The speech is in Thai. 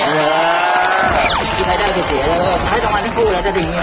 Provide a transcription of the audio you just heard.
ใครได้ที่เสียผ้าสำวัญทั้งคู่หรือจะดีเนี่ย